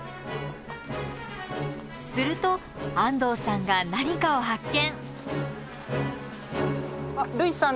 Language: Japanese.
すると安藤さんが何かを発見！